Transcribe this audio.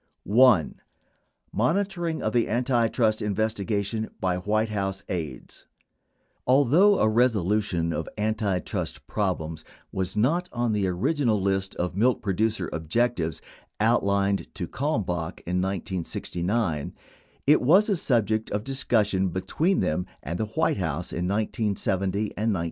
1 . MONITORING OF THE ANTITRUST INVESTIGATION BY WHITE HOUSE AIDES Although a resolution of antitrust problems was not on the original list of milk producer objectives outlined to Kalmbach in 1969, it was a subject of some discussion between them and the White House in 1970 and 1971.